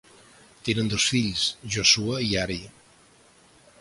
Tenen dos fills, Joshua i Ari.